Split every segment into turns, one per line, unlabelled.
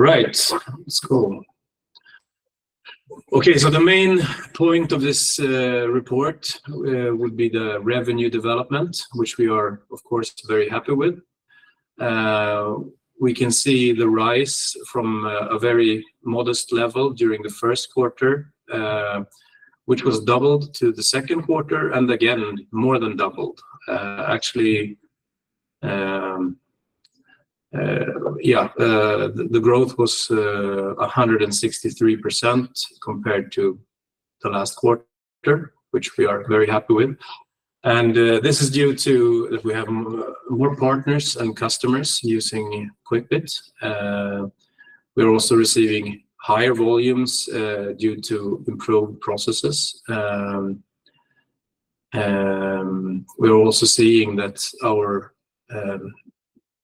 All right, let's go. Okay, so the main point of this, report, would be the revenue development, which we are, of course, very happy with. We can see the rise from, a very modest level during the first quarter, which was doubled to the second quarter, and again, more than doubled. Actually, the growth was, 163% compared to the last quarter, which we are very happy with. And, this is due to that we have, more partners and customers using Quickbit. We're also receiving higher volumes, due to improved processes. We're also seeing that our,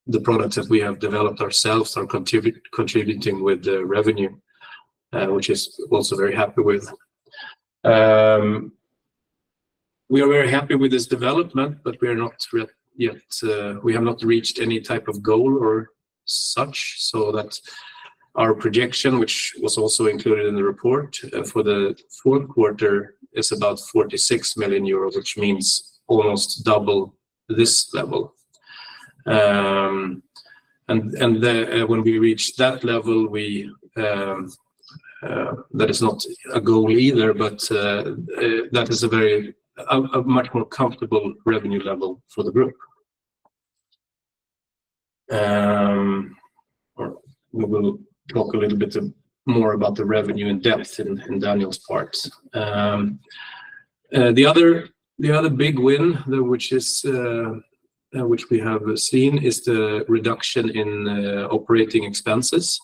the products that we have developed ourselves are contributing with the revenue, which is also very happy with. We are very happy with this development, but we are not yet, we have not reached any type of goal or such, so that's our projection, which was also included in the report, for the fourth quarter, is about 46 million euro, which means almost double this level. And when we reach that level, we, that is not a goal either, but, that is a very much more comfortable revenue level for the group. Or we will talk a little bit more about the revenue in depth in Daniel's parts. The other big win, though, which we have seen, is the reduction in operating expenses.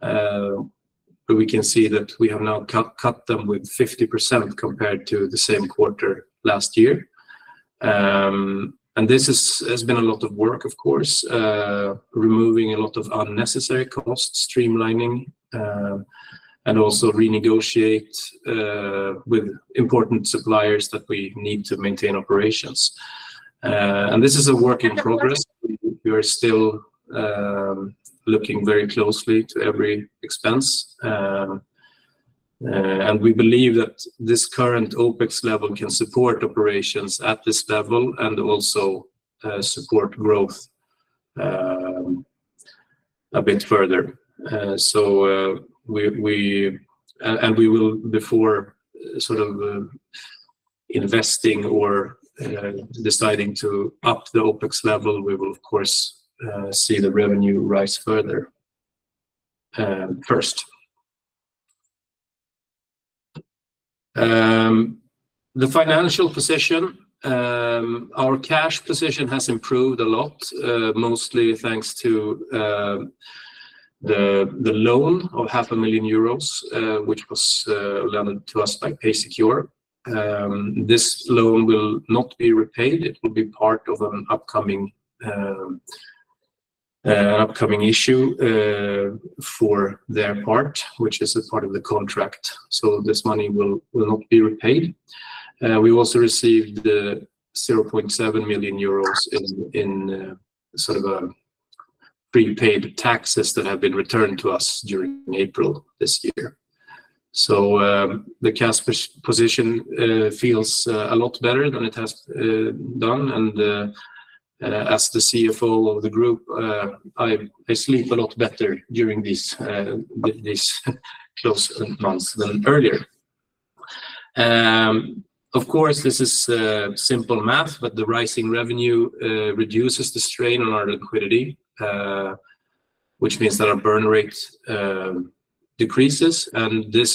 But we can see that we have now cut them with 50% compared to the same quarter last year. And this has been a lot of work, of course, removing a lot of unnecessary costs, streamlining, and also renegotiate with important suppliers that we need to maintain operations. And this is a work in progress. We are still looking very closely to every expense. And we believe that this current OpEx level can support operations at this level and also support growth a bit further. So we will, before sort of investing or deciding to up the OpEx level, we will of course see the revenue rise further first. The financial position, our cash position has improved a lot, mostly thanks to the loan of 500,000 euros, which was lent to us by PaySecure. This loan will not be repaid. It will be part of an upcoming issue for their part, which is a part of the contract. So this money will not be repaid. We also received 0.7 million euros in sort of prepaid taxes that have been returned to us during April this year. So, the cash position feels a lot better than it has done. And, as the CFO of the group, I sleep a lot better during these close months than earlier. Of course, this is simple math, but the rising revenue reduces the strain on our liquidity, which means that our burn rate decreases. And this,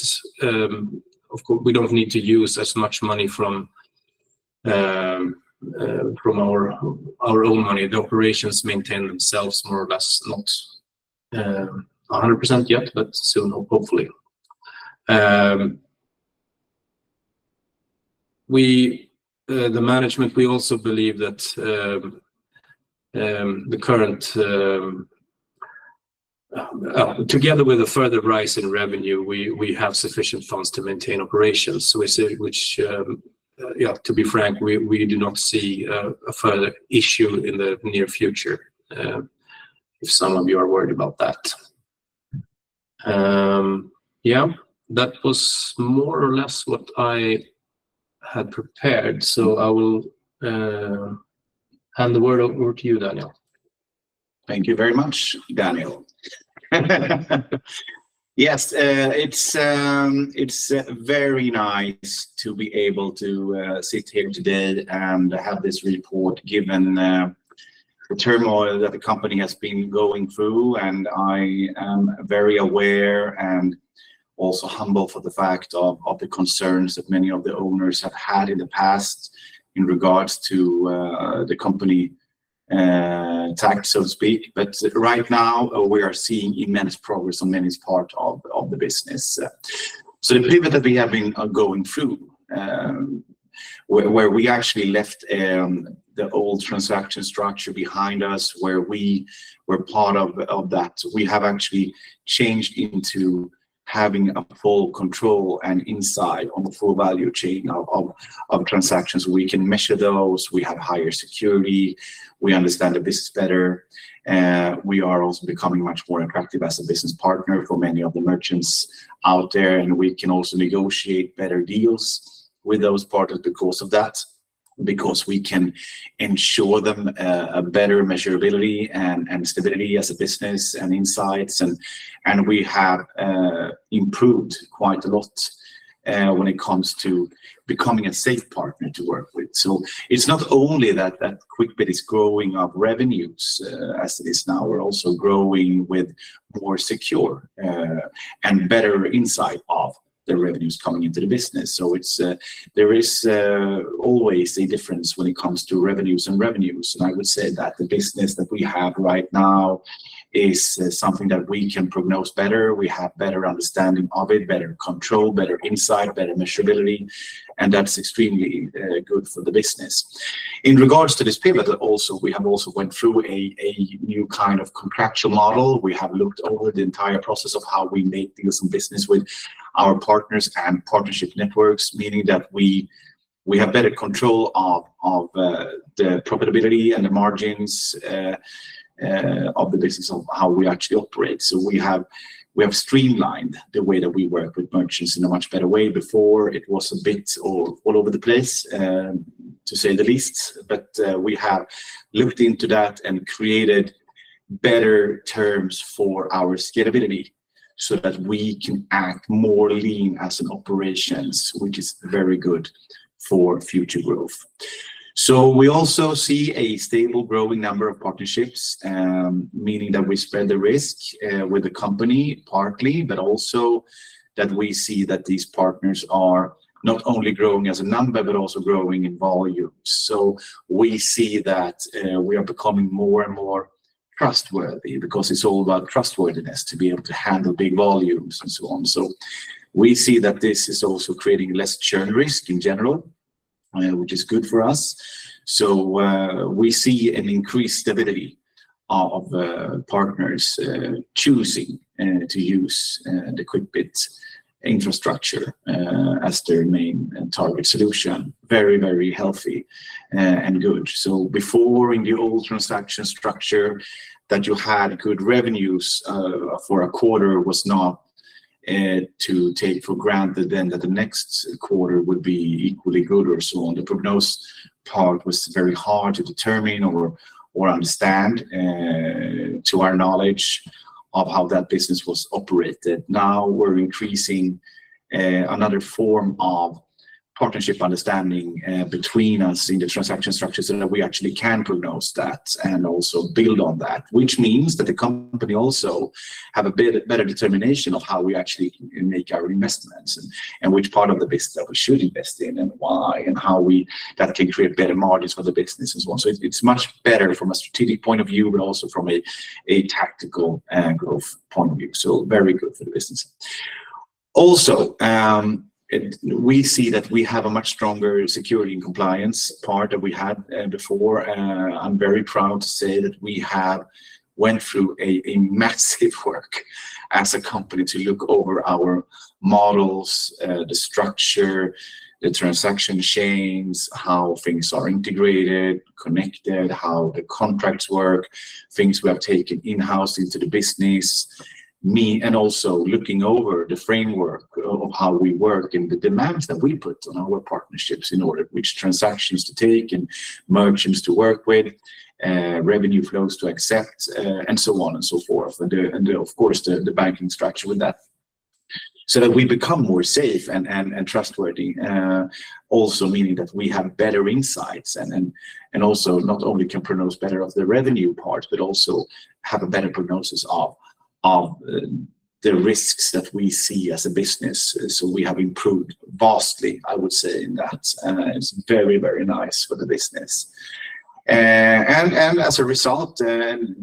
of course, we don't need to use as much money from our own money. The operations maintain themselves more or less, not 100% yet, but soon, hopefully. We, the management, we also believe that the current, together with a further rise in revenue, we have sufficient funds to maintain operations. So we say, which, yeah, to be frank, we do not see a further issue in the near future, if some of you are worried about that. Yeah, that was more or less what I had prepared, so I will hand the word over to you, Daniel.
Thank you very much, Daniel. Yes, it's very nice to be able to sit here today and have this report, given the turmoil that the company has been going through, and I am very aware and also humble for the fact of the concerns that many of the owners have had in the past in regards to the company tax, so to speak. But right now, we are seeing immense progress on many parts of the business. So the pivot that we have been going through, where we actually left the old transaction structure behind us, where we were part of that, we have actually changed into having full control and insight on the full value chain of transactions. We can measure those, we have higher security, we understand the business better, we are also becoming much more attractive as a business partner for many of the merchants out there, and we can also negotiate better deals with those partners because of that. Because we can ensure them a better measurability and stability as a business, and insights, and we have improved quite a lot when it comes to becoming a safe partner to work with. So it's not only that Quickbit is growing our revenues as it is now, we're also growing with more secure and better insight of the revenues coming into the business. So it's, there is, always a difference when it comes to revenues and revenues, and I would say that the business that we have right now is, something that we can prognose better, we have better understanding of it, better control, better insight, better measurability, and that's extremely, good for the business. In regards to this pivot, also, we have also went through a new kind of contractual model. We have looked over the entire process of how we make deals in business with our partners and partnership networks, meaning that we have better control of, the profitability and the margins, of the business, of how we actually operate. So we have streamlined the way that we work with merchants in a much better way. Before, it was a bit all, all over the place, to say the least. But, we have looked into that and created better terms for our scalability, so that we can act more lean as an operations, which is very good for future growth. So we also see a stable, growing number of partnerships, meaning that we spread the risk, with the company partly, but also that we see that these partners are not only growing as a number, but also growing in volume. So we see that, we are becoming more and more trustworthy, because it's all about trustworthiness to be able to handle big volumes and so on. So we see that this is also creating less churn risk in general, which is good for us. So, we see an increased stability of partners choosing to use the Quickbit infrastructure as their main and target solution. Very, very healthy and good. So before, in the old transaction structure, that you had good revenues for a quarter was not to take for granted, then, that the next quarter would be equally good or so on. The prognose part was very hard to determine or understand, to our knowledge, of how that business was operated. Now, we're increasing another form of partnership understanding between us in the transaction structures, and that we actually can prognose that and also build on that. Which means that the company also have a better determination of how we actually make our investments, and which part of the business that we should invest in and why, and how we that can create better margins for the business as well. So it's much better from a strategic point of view, but also from a tactical growth point of view, so very good for the business. Also, we see that we have a much stronger security and compliance part than we had before. I'm very proud to say that we have went through a massive work as a company to look over our models, the structure, the transaction chains, how things are integrated, connected, how the contracts work, things we have taken in-house into the business. And also looking over the framework of how we work, and the demands that we put on our partnerships in order which transactions to take, and merchants to work with, revenue flows to accept, and so on and so forth. And, and of course, the banking structure with that. So that we become more safe and trustworthy, also meaning that we have better insights, and then, and also not only can prognose better of the revenue part, but also have a better prognosis of the risks that we see as a business. So we have improved vastly, I would say, in that, and it's very, very nice for the business. And as a result,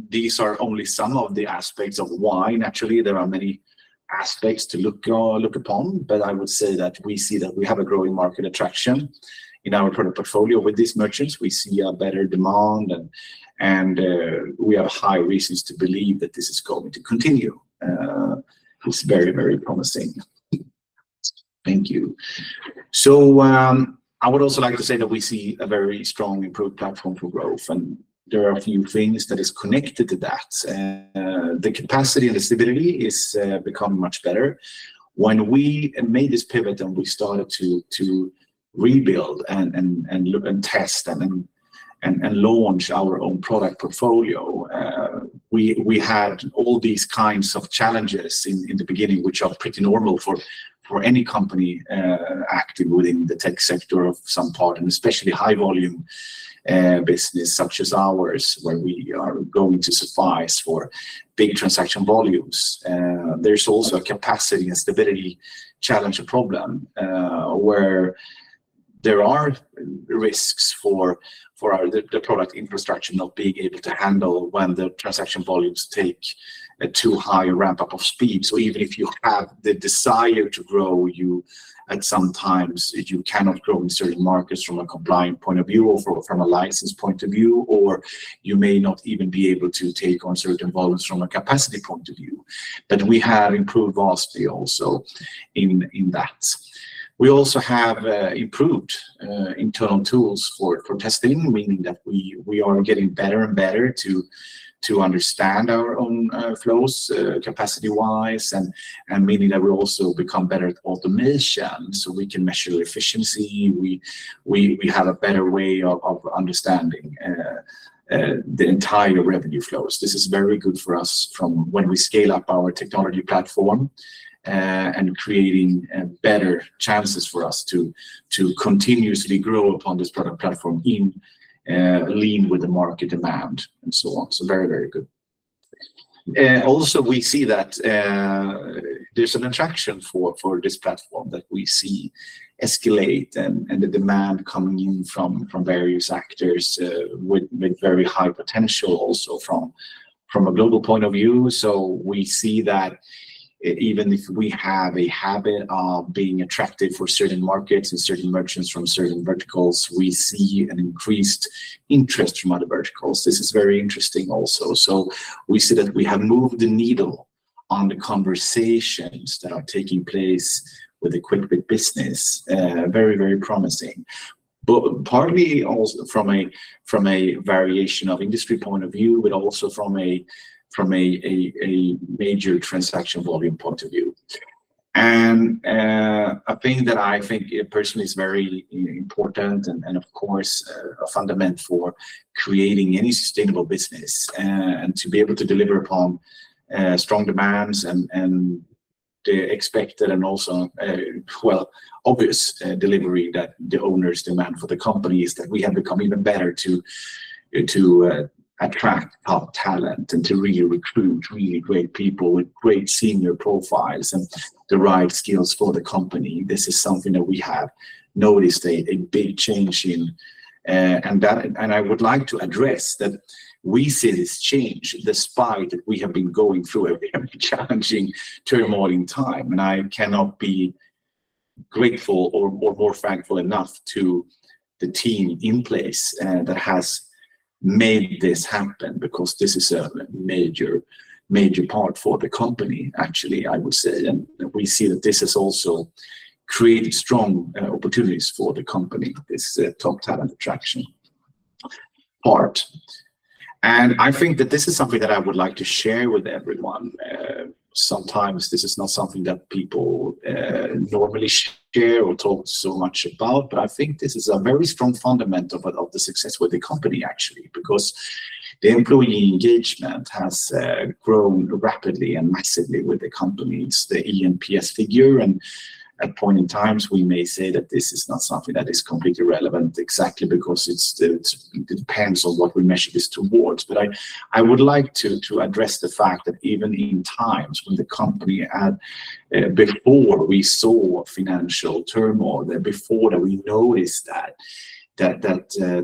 these are only some of the aspects of why. Naturally, there are many aspects to look upon, but I would say that we see that we have a growing market attraction in our product portfolio with these merchants. We see a better demand, and we have high reasons to believe that this is going to continue. It's very, very promising. Thank you. So, I would also like to say that we see a very strong improved platform for growth, and there are a few things that is connected to that. The capacity and the stability is become much better. When we made this pivot and we started to rebuild, and look, and test, and then launch our own product portfolio, we had all these kinds of challenges in the beginning, which are pretty normal for any company active within the tech sector of some part, and especially high volume business such as ours, where we are going to suffice for big transaction volumes. There's also a capacity and stability challenge or problem, where there are risks for our product infrastructure not being able to handle when the transaction volumes take a too high ramp-up of speed. So even if you have the desire to grow, you, at some times, you cannot grow in certain markets from a compliant point of view or from a license point of view, or you may not even be able to take on certain volumes from a capacity point of view. But we have improved vastly also in that. We also have improved internal tools for testing, meaning that we are getting better and better to understand our own flows capacity-wise, and meaning that we'll also become better at automation, so we can measure efficiency. We have a better way of understanding the entire revenue flows. This is very good for us from when we scale up our technology platform, and creating better chances for us to continuously grow upon this product platform in lean with the market demand, and so on. So very, very good. Also, we see that there's an attraction for this platform that we see escalate, and the demand coming in from various actors with very high potential also from a global point of view. So we see that even if we have a habit of being attracted for certain markets and certain merchants from certain verticals, we see an increased interest from other verticals. This is very interesting also. So we see that we have moved the needle on the conversations that are taking place with Quickbit business, very, very promising. But partly also from a variation of industry point of view, but also from a major transaction volume point of view. And a thing that I think personally is very important, and of course a fundamental for creating any sustainable business, and to be able to deliver upon strong demands and the expected and also well obvious delivery that the owners demand for the company, is that we have become even better to attract top talent and to really recruit really great people with great senior profiles and the right skills for the company. This is something that we have noticed a big change in. And I would like to address that we see this change despite that we have been going through a very challenging, turmoil time, and I cannot be grateful or, or thankful enough to the team in place, that has made this happen, because this is a major, major part for the company, actually, I would say. And we see that this has also created strong opportunities for the company, this, top talent attraction part. And I think that this is something that I would like to share with everyone. Sometimes this is not something that people, normally share or talk so much about, but I think this is a very strong fundamental of, of the success with the company, actually, because the employee engagement has grown rapidly and massively with the company. It's the eNPS figure, and at points in time, we may say that this is not something that is completely relevant, exactly because it depends on what we measure this towards. But I would like to address the fact that even in times when the company had... before we saw financial turmoil, before that we noticed that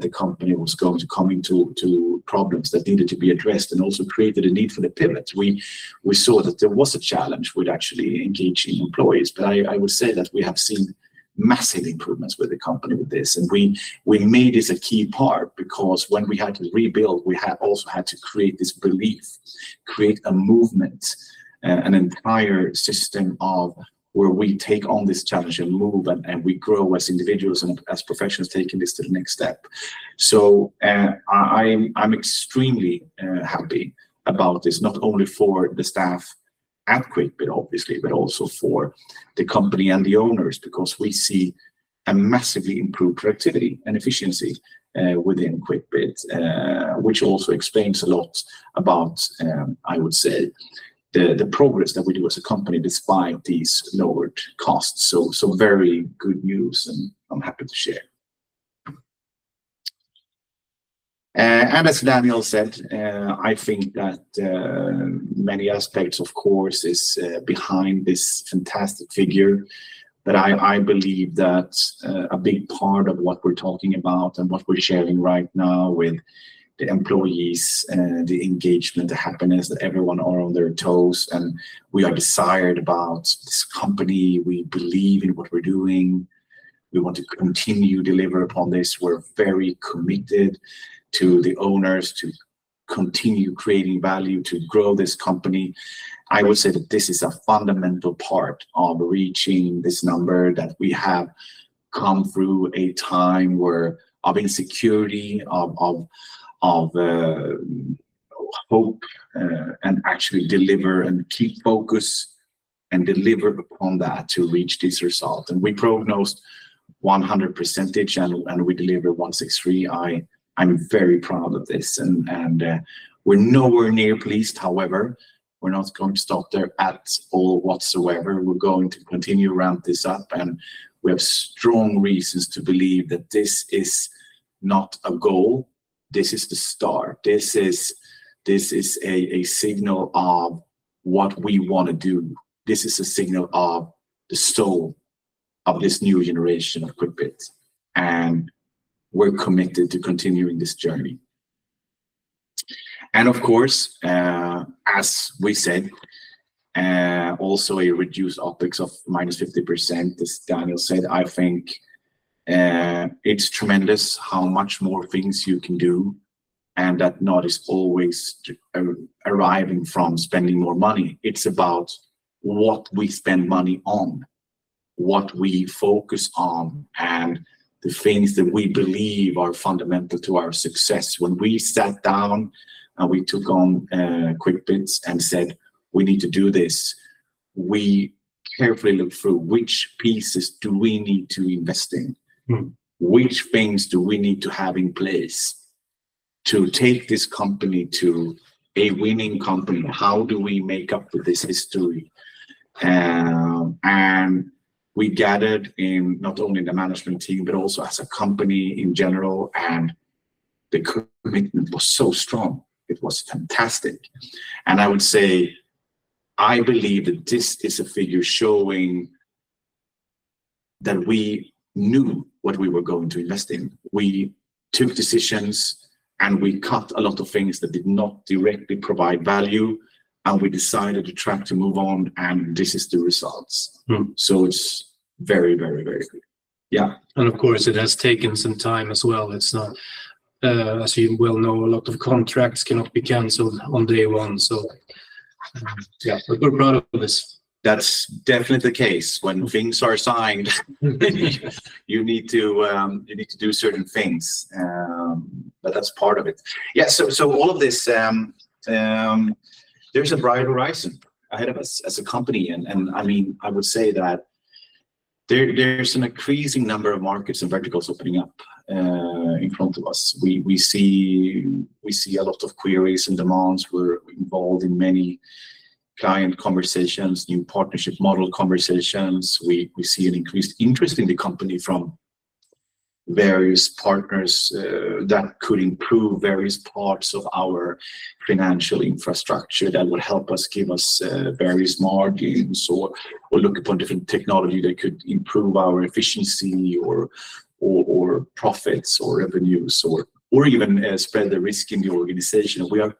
the company was going to come into problems that needed to be addressed and also created a need for the pivot, we saw that there was a challenge with actually engaging employees. But I would say that we have seen massive improvements with the company with this, and we made this a key part, because when we had to rebuild, we also had to create this belief, create a movement, an entire system of where we take on this challenge and move, and we grow as individuals and as professionals taking this to the next step. So, I'm extremely happy about this, not only for the staff at Quickbit, obviously, but also for the company and the owners, because we see a massively improved productivity and efficiency within Quickbit, which also explains a lot about, I would say, the progress that we do as a company despite these lowered costs. So very good news, and I'm happy to share. And as Daniel said, I think that many aspects, of course, is behind this fantastic figure. But I believe that a big part of what we're talking about and what we're sharing right now with the employees, the engagement, the happiness, that everyone are on their toes, and we are desired about this company. We believe in what we're doing. We want to continue deliver upon this. We're very committed to the owners to continue creating value, to grow this company. I would say that this is a fundamental part of reaching this number, that we have come through a time where of insecurity, of hope, and actually deliver and keep focus and deliver upon that to reach this result. And we prognosed 100% and we delivered 163. I'm very proud of this, and we're nowhere near pleased. However, we're not going to stop there at all, whatsoever. We're going to continue to ramp this up, and we have strong reasons to believe that this is not a goal. This is the start. This is a signal of what we want to do. This is a signal of the soul of this new generation of Quickbit, and we're committed to continuing this journey. And of course, as we said, also a reduced OpEx of -50%, as Daniel said, I think. And it's tremendous how much more things you can do, and that not is always arriving from spending more money. It's about what we spend money on, what we focus on, and the things that we believe are fundamental to our success. When we sat down and we took on Quickbit and said, "We need to do this," we carefully looked through which pieces do we need to invest in?
Mm.
Which things do we need to have in place to take this company to a winning company? How do we make up for this history? We gathered in, not only the management team, but also as a company in general, and the commitment was so strong. It was fantastic. I would say, I believe that this is a figure showing that we knew what we were going to invest in. We took decisions, and we cut a lot of things that did not directly provide value, and we decided the track to move on, and this is the results.
Mm.
It's very, very, very good.
Yeah. Of course, it has taken some time as well. It's not, as you well know, a lot of contracts cannot be canceled on day one, so yeah, we're proud of this.
That's definitely the case. When things are signed, you need to, you need to do certain things. But that's part of it. Yeah, so, so all of this, there's a bright horizon ahead of us as a company, and, and I mean, I would say that there, there's an increasing number of markets and verticals opening up, in front of us. We, we see, we see a lot of queries and demands. We're involved in many client conversations, new partnership model conversations. We, we see an increased interest in the company from various partners, that could improve various parts of our financial infrastructure, that would help us give us, various margins, or, or look upon different technology that could improve our efficiency or, or, or profits or revenues, or, or even, spread the risk in the organization. We are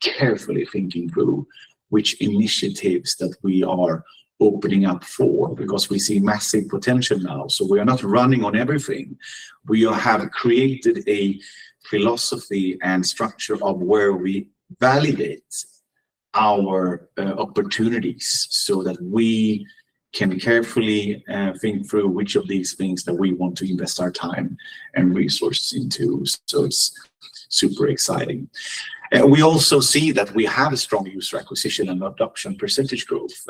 carefully thinking through which initiatives that we are opening up for, because we see massive potential now. So we are not running on everything. We have created a philosophy and structure of where we validate our opportunities so that we can carefully think through which of these things that we want to invest our time and resources into. So it's super exciting. And we also see that we have a strong user acquisition and adoption percentage growth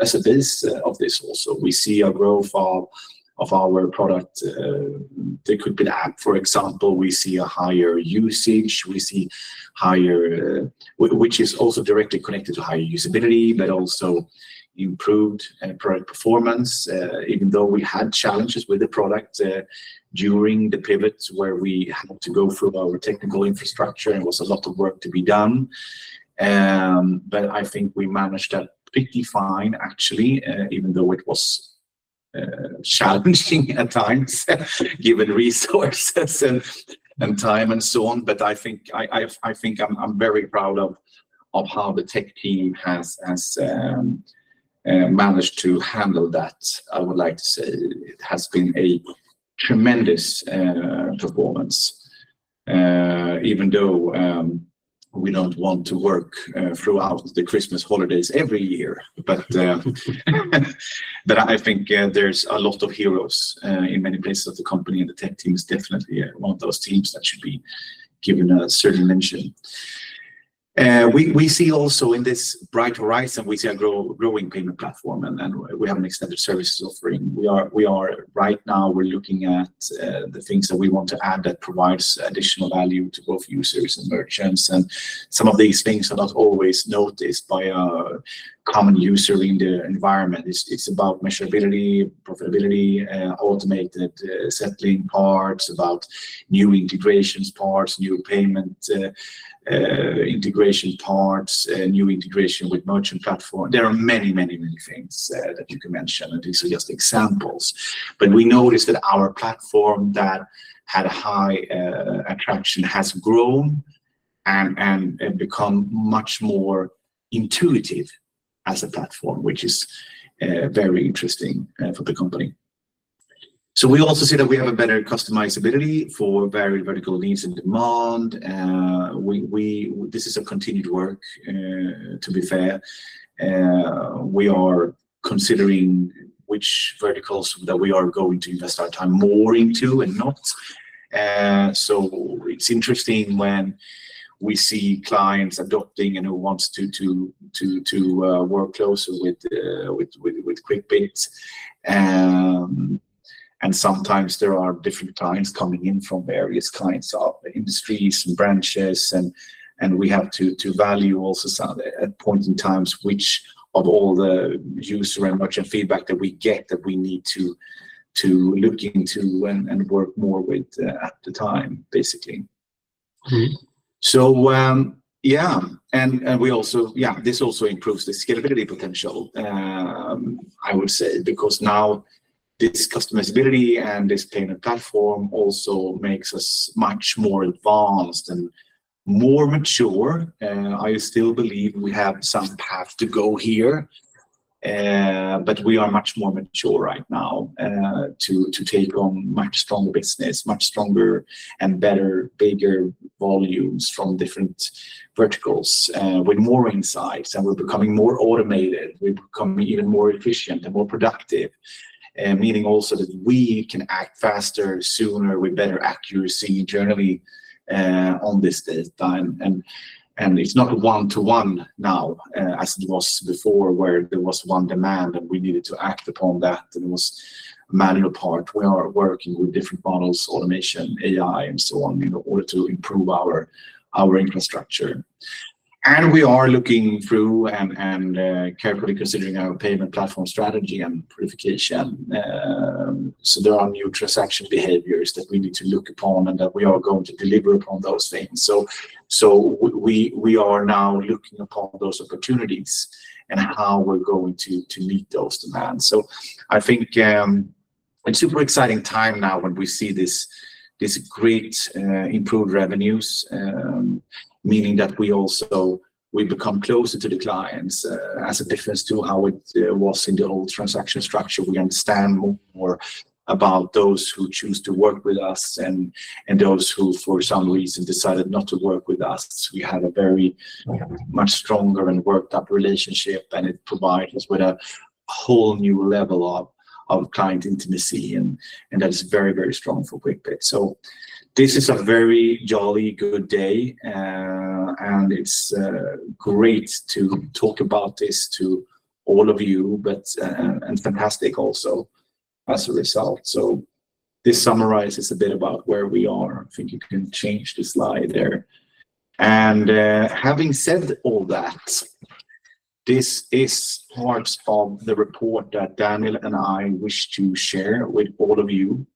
as a base of this also. We see a growth of our product, the Quickbit App, for example. We see a higher usage. We see higher. Which is also directly connected to higher usability, but also improved product performance. Even though we had challenges with the product during the pivots where we had to go through our technical infrastructure, it was a lot of work to be done. But I think we managed that pretty fine, actually, even though it was challenging at times, given resources and time and so on. But I think I'm very proud of how the tech team has managed to handle that. I would like to say it has been a tremendous performance. Even though we don't want to work throughout the Christmas holidays every year, but I think there's a lot of heroes in many places of the company, and the tech team is definitely one of those teams that should be given a certain mention. We see also in this bright horizon, we see a growing payment platform, and we have an extended services offering. We are right now, we're looking at the things that we want to add that provides additional value to both users and merchants. Some of these things are not always noticed by a common user in the environment. It's about measurability, profitability, automated settling parts, about new integrations parts, new payment integration parts, new integration with merchant platform. There are many, many, many things that you can mention, and these are just examples. But we noticed that our platform that had high attraction has grown and become much more intuitive as a platform, which is very interesting for the company. So we also see that we have a better customizability for varied vertical needs and demand. This is a continued work, to be fair. We are considering which verticals that we are going to invest our time more into and not. So it's interesting when we see clients adopting and who wants to work closer with Quickbit. And sometimes there are different clients coming in from various clients, industries and branches, and we have to value also some at points and times, which of all the user and merchant feedback that we get, that we need to look into and work more with, at the time, basically.
Mm-hmm.
This also improves the scalability potential, I would say, because now this customizability and this payment platform also makes us much more advanced and more mature, and I still believe we have some path to go here. But we are much more mature right now to take on much stronger business, much stronger and better, bigger volumes from different verticals, with more insights, and we're becoming more automated. We've become even more efficient and more productive, meaning also that we can act faster, sooner, with better accuracy generally, on this time. And it's not a one-to-one now, as it was before, where there was one demand, and we needed to act upon that, and it was manual part. We are working with different models, automation, AI, and so on, in order to improve our infrastructure. We are looking through carefully considering our payment platform strategy and purification. There are new transaction behaviors that we need to look upon, and that we are going to deliver upon those things. We are now looking upon those opportunities and how we're going to meet those demands. I think a super exciting time now when we see these great improved revenues, meaning that we also become closer to the clients, as a difference to how it was in the old transaction structure. We understand more about those who choose to work with us and those who, for some reason, decided not to work with us. We have a very much stronger and worked up relationship, and it provides us with a whole new level of client intimacy, and that is very, very strong for Quickbit. So this is a very jolly good day, and it's great to talk about this to all of you, but and fantastic also as a result. So this summarizes a bit about where we are. I think you can change the slide there. Having said all that, this is parts of the report that Daniel and I wish to share with all of you,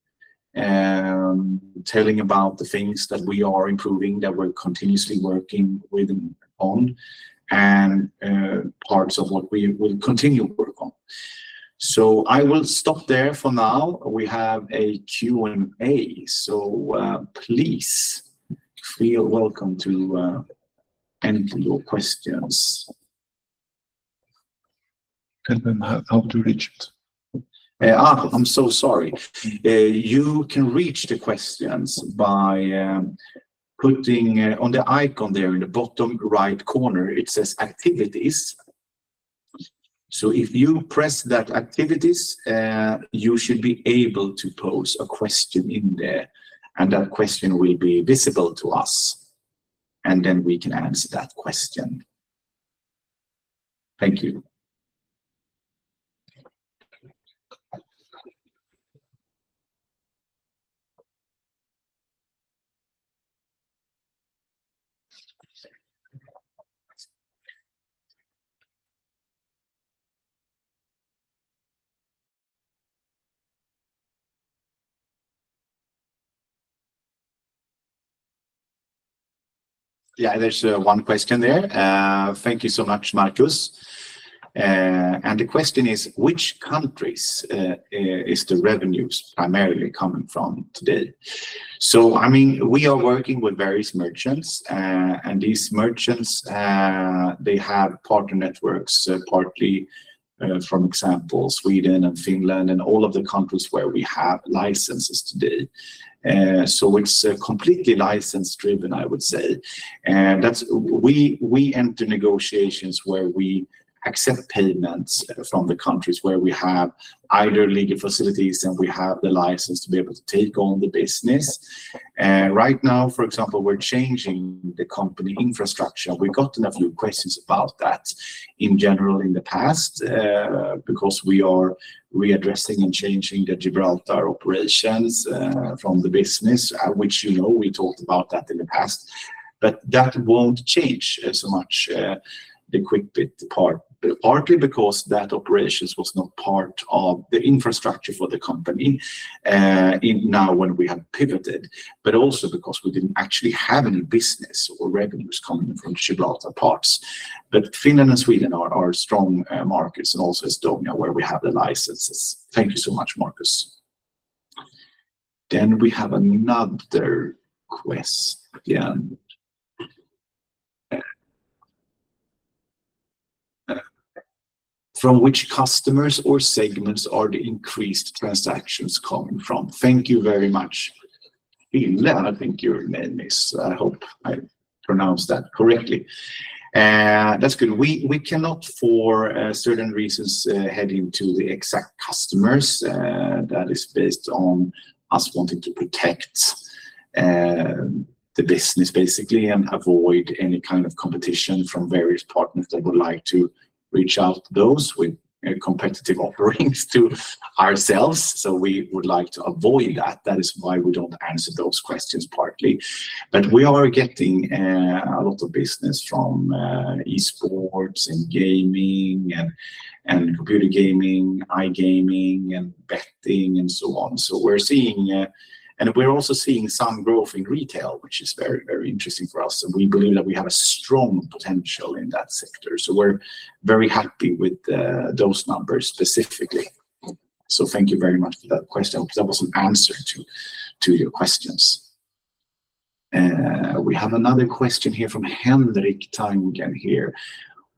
telling about the things that we are improving, that we're continuously working with on, and parts of what we will continue to work on. So I will stop there for now. We have a Q&A, so please feel welcome to enter your questions.
Tell them how, how to reach it.
I'm so sorry. You can reach the questions by clicking on the icon there in the bottom right corner. It says, Activities. So if you press that, Activities, you should be able to pose a question in there, and that question will be visible to us, and then we can answer that question. Thank you. Yeah, there's one question there. "Thank you so much, Marcus." And the question is: Which countries is the revenues primarily coming from today? So, I mean, we are working with various merchants, and these merchants they have partner networks, partly from example, Sweden and Finland and all of the countries where we have licenses today. So it's completely license-driven, I would say. We enter negotiations where we accept payments from the countries where we have either legal facilities and we have the license to be able to take on the business. Right now, for example, we're changing the company infrastructure. We've gotten a few questions about that in general in the past, because we are readdressing and changing the Gibraltar operations, from the business, which, you know, we talked about that in the past. But that won't change so much the Quickbit part, partly because that operations was not part of the infrastructure for the company, in now when we have pivoted, but also because we didn't actually have any business or revenues coming in from Gibraltar parts. But Finland and Sweden are strong markets, and also Estonia, where we have the licenses. Thank you so much, Marcus. Then we have another question. Yeah. "From which customers or segments are the increased transactions coming from?" Thank you very much, Ville. I think your name is. I hope I pronounced that correctly. That's good. We cannot, for certain reasons, head into the exact customers. That is based on us wanting to protect the business, basically, and avoid any kind of competition from various partners that would like to reach out to those with competitive offerings to ourselves. So we would like to avoid that. That is why we don't answer those questions, partly. But we are getting a lot of business from esports and gaming and computer gaming, iGaming, and betting, and so on. So we're seeing... We're also seeing some growth in retail, which is very, very interesting for us, and we believe that we have a strong potential in that sector. We're very happy with those numbers specifically. Thank you very much for that question. I hope that was an answer to your questions. We have another question here from Henrik Tuunainen here.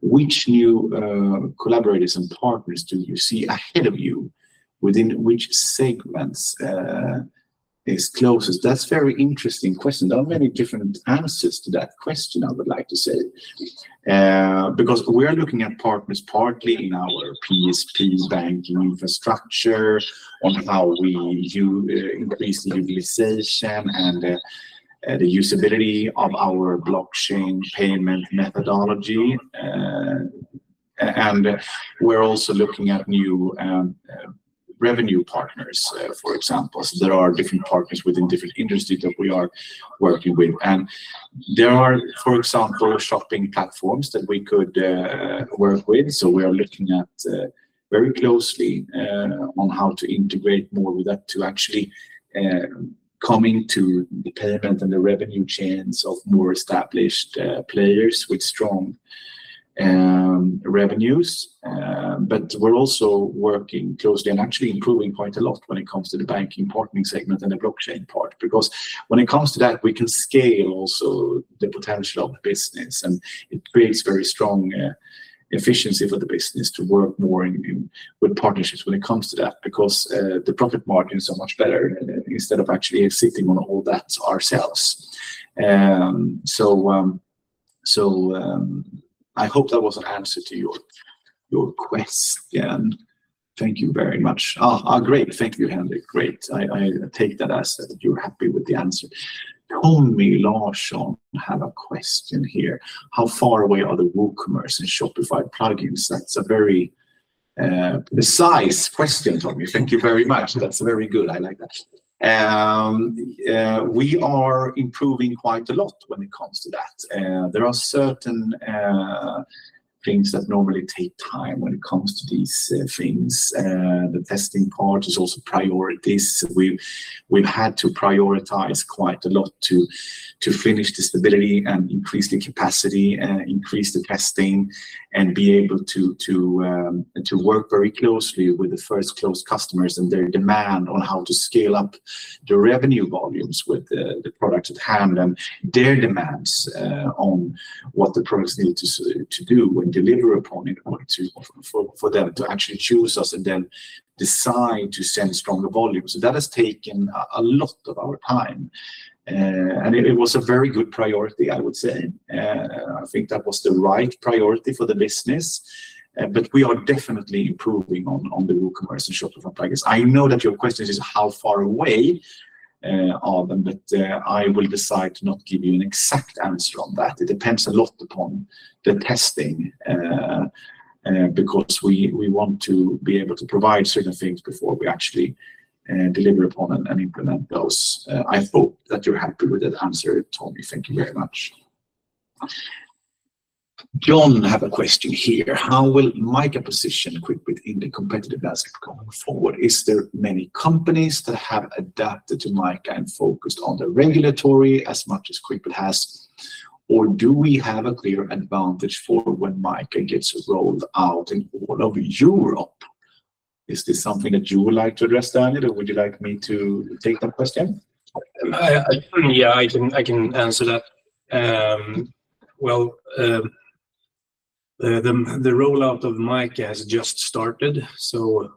Which new collaborators and partners do you see ahead of you, within which segments is closest? That's very interesting question. There are many different answers to that question, I would like to say. Because we are looking at partners partly in our PSP banking infrastructure, on how we do increase the utilization and the usability of our blockchain payment methodology. And we're also looking at new revenue partners, for example. So there are different partners within different industries that we are working with. And there are, for example, shopping platforms that we could work with, so we are looking at very closely on how to integrate more with that to actually coming to the payment and the revenue chains of more established players with strong revenues. But we're also working closely and actually improving quite a lot when it comes to the banking partnering segment and the blockchain part. Because when it comes to that, we can scale also the potential of the business, and it creates very strong efficiency for the business to work more in with partnerships when it comes to that. Because the profit margins are much better instead of actually sitting on all that ourselves. I hope that was an answer to your, your question. Thank you very much. Great, thank you, Hendrik. Great. I take that as that you're happy with the answer. Tommy Larsson have a question here: How far away are the WooCommerce and Shopify plugins? That's a very precise question, Tommy. Thank you very much. That's very good, I like that. We are improving quite a lot when it comes to that. There are certain things that normally take time when it comes to these things. The testing part is also priorities. We've had to prioritize quite a lot to finish the stability and increase the capacity, increase the testing, and be able to work very closely with the first close customers and their demand on how to scale up the revenue volumes with the products at hand, and their demands on what the products need to do and deliver upon in order to for them to actually choose us and then decide to send stronger volumes. So that has taken a lot of our time, and it was a very good priority, I would say. I think that was the right priority for the business, but we are definitely improving on the WooCommerce and Shopify plugins. I know that your question is how far away, are them, but, I will decide to not give you an exact answer on that. It depends a lot upon the testing, because we want to be able to provide certain things before we actually, deliver upon and implement those. I hope that you're happy with that answer, Tommy. Thank you very much. John have a question here: How will MiCA position Quickbit in the competitive landscape going forward? Is there many companies that have adapted to MiCA and focused on the regulatory as much as Quickbit has, or do we have a clear advantage for when MiCA gets rolled out in all over Europe? Is this something that you would like to address, Daniel, or would you like me to take that question?
Yeah, I can answer that. Well, the rollout of MiCA has just started, so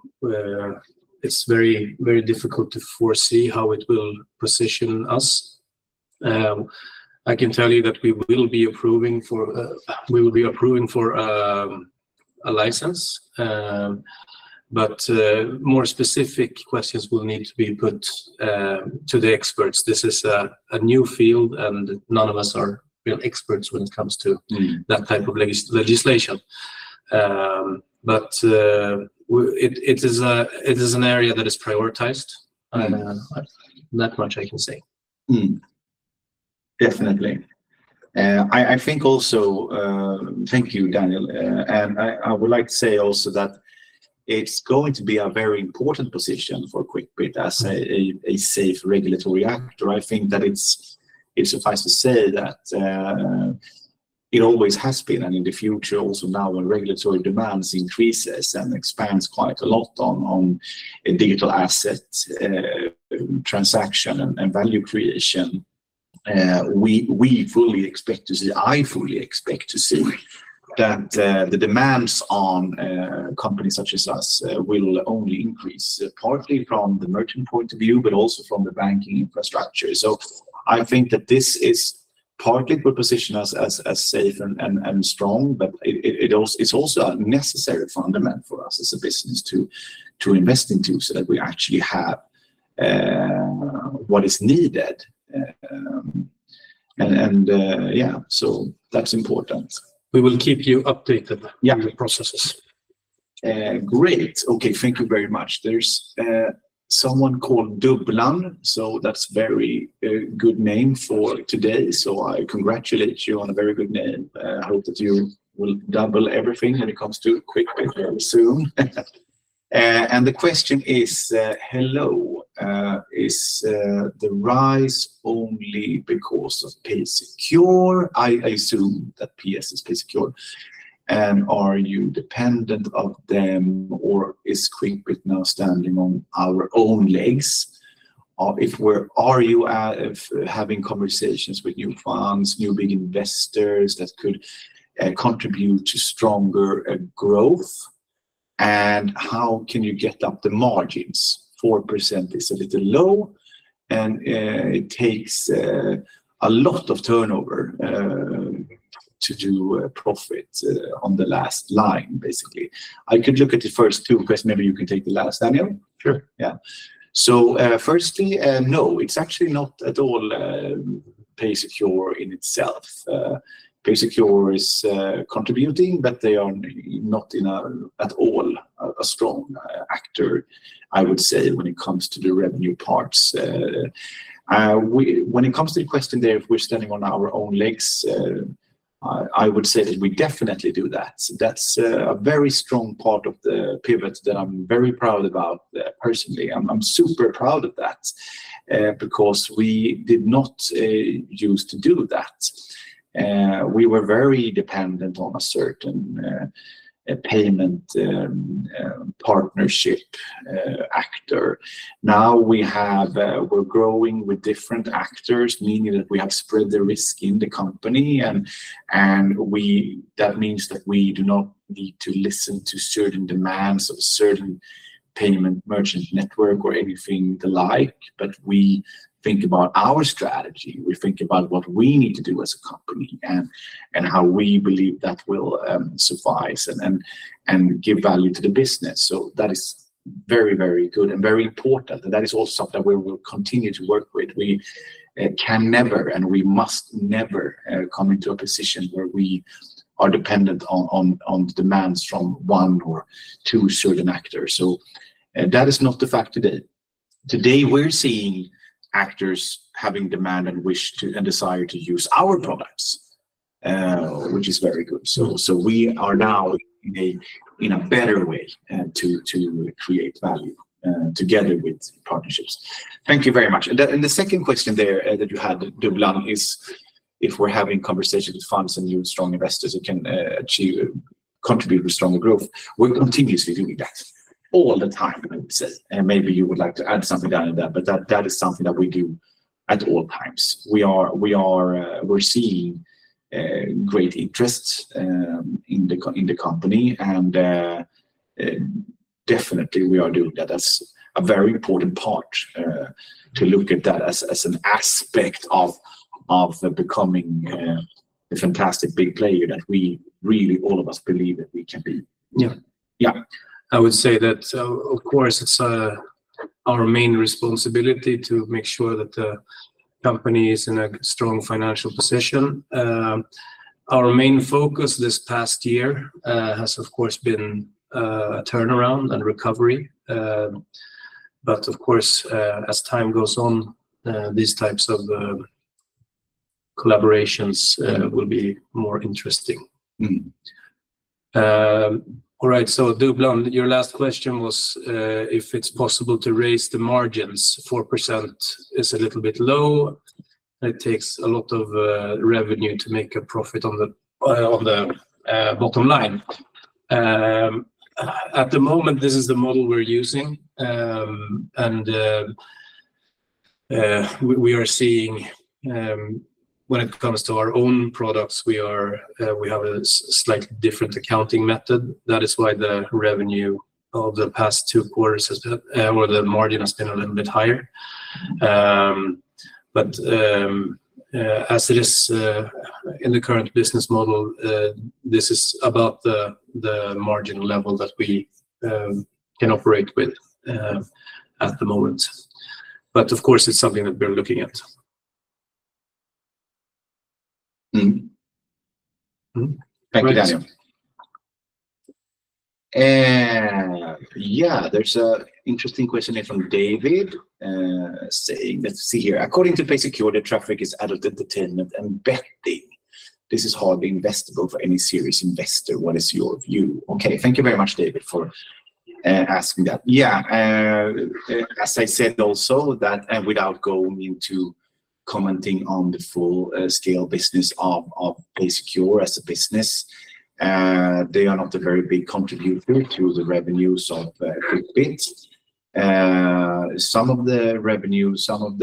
it's very, very difficult to foresee how it will position us. I can tell you that we will be approving for, we will be applying for a license. But more specific questions will need to be put to the experts. This is a new field, and none of us are real experts when it comes to-
Mm...
that type of legislation. But it is an area that is prioritized.
Mm.
That much I can say.
Mm, definitely. I think also. Thank you, Daniel. And I would like to say also that it's going to be a very important position for Quickbit as a safe regulatory actor. I think that it's, it suffices to say that it always has been, and in the future also now when regulatory demands increases and expands quite a lot on digital assets, transaction and value creation, we fully expect to see. I fully expect to see that the demands on companies such as us will only increase, partly from the merchant point of view, but also from the banking infrastructure. So I think that this is partly to position us as safe and strong, but it's also a necessary fundament for us as a business to invest into, so that we actually have what is needed. Yeah, so that's important.
We will keep you updated.
Yeah...
with the processes.
Great. Okay, thank you very much. There's someone called Dubblan, so that's very good name for today. So I congratulate you on a very good name. Hope that you will double everything when it comes to Quickbit very soon. And the question is: Hello, is the rise only because of PaySecure? I assume that PS is PaySecure. And are you dependent of them, or is Quickbit now standing on our own legs? Are you having conversations with new funds, new big investors that could contribute to stronger growth? And how can you get up the margins? 4% is a little low, and it takes a lot of turnover to do profit on the last line, basically. I could look at the first two, because maybe you can take the last, Daniel?
Sure.
Yeah. So, firstly, no, it's actually not at all, PaySecure in itself. PaySecure is contributing, but they are not in a, at all, a strong actor, I would say, when it comes to the revenue parts. When it comes to the question there, if we're standing on our own legs, I would say that we definitely do that. So that's a very strong part of the pivot that I'm very proud about, personally. I'm super proud of that, because we did not use to do that. We were very dependent on a certain payment partnership actor. Now we have, we're growing with different actors, meaning that we have spread the risk in the company, and we... That means that we do not need to listen to certain demands of a certain payment merchant network or anything the like, but we think about our strategy. We think about what we need to do as a company, and how we believe that will suffice, and give value to the business. So that is very, very good and very important, and that is also something that we will continue to work with. We can never, and we must never, come into a position where we are dependent on demands from one or two certain actors. So that is not the fact today. Today we're seeing actors having demand and wish to, and desire to use our products, which is very good. So we are now in a better way to create value together with partnerships. Thank you very much. The second question there that you had, Dubblan, is if we're having conversations with funds and new strong investors who can achieve, contribute with stronger growth. We're continuously doing that all the time. And maybe you would like to add something, Daniel, to that, but that is something that we do at all times. We're seeing great interest in the company, and definitely we are doing that. That's a very important part to look at that as an aspect of the becoming a fantastic big player that we really, all of us believe that we can be.
Yeah.
Yeah.
I would say that, of course, it's our main responsibility to make sure that the company is in a strong financial position. Our main focus this past year has of course been turnaround and recovery. But of course, as time goes on, these types of collaborations will be more interesting.
Mm-hmm.
All right, so Dubblan, your last question was if it's possible to raise the margins. 4% is a little bit low. It takes a lot of revenue to make a profit on the bottom line. At the moment, this is the model we're using. And we are seeing, when it comes to our own products, we are, we have a slightly different accounting method. That is why the revenue of the past two quarters has been or the margin has been a little bit higher. But as it is, in the current business model, this is about the margin level that we can operate with, at the moment. But of course, it's something that we're looking at.
Mm-hmm. Mm-hmm. Thank you, Daniel.
Great.
Yeah, there's an interesting question here from David, saying... Let's see here. "According to PaySecure, the traffic is adult entertainment and betting. This is hardly investable for any serious investor. What is your view?" Okay, thank you very much, David, for asking that. Yeah, as I said also, that, and without going into commenting on the full scale business of PaySecure as a business, they are not a very big contributor to the revenues of Quickbit. Some of the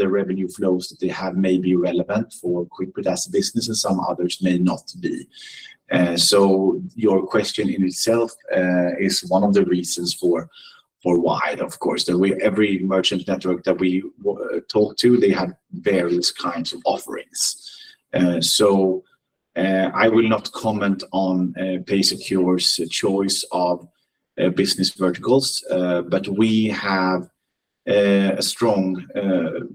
revenue flows that they have may be relevant for Quickbit as a business, and some others may not be. So your question in itself is one of the reasons for why. Of course, the way every merchant network that we talked to, they had various kinds of offerings. So, I will not comment on PaySecure's choice of business verticals, but we have a strong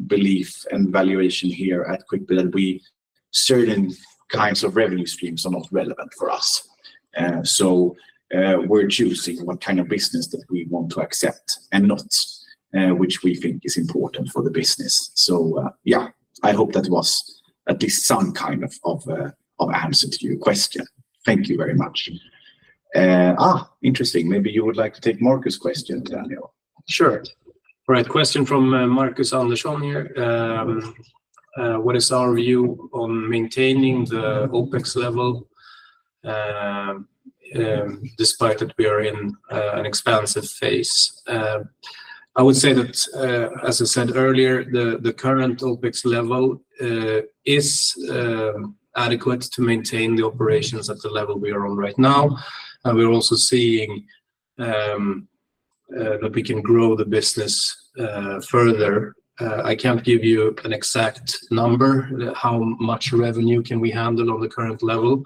belief and valuation here at Quickbit, that certain kinds of revenue streams are not relevant for us. So, we're choosing what kind of business that we want to accept and not, which we think is important for the business. So, yeah, I hope that was at least some kind of, of a, of an answer to your question. Thank you very much. Interesting. Maybe you would like to take Marcus' question, Daniel?
Sure. All right, question from Marcus Andersson here. What is our view on maintaining the OpEx level, despite that we are in an expansive phase? I would say that, as I said earlier, the current OpEx level is adequate to maintain the operations at the level we are on right now, and we're also seeing that we can grow the business further. I can't give you an exact number, how much revenue can we handle on the current level.